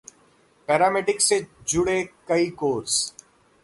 paramedical से जुड़े कई कोर्स